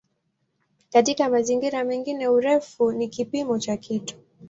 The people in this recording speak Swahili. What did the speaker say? Katika mazingira mengine "urefu" ni kipimo cha kitu.